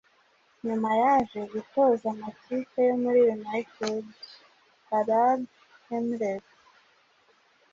Nyuma yaje gutoza amakipe yo muri United Arab Emirates